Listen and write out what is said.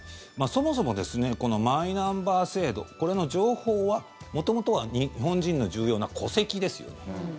そもそもマイナンバー制度これの情報は元々は日本人の重要な戸籍ですよね。